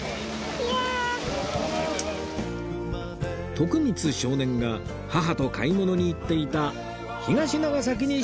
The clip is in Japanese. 徳光少年が母と買い物に行っていた東長崎に出発！